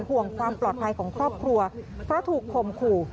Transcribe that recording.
ห่วงความปลอดภัยของครอบครัวเพราะถูกคมขู่